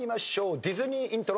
ディズニーイントロ。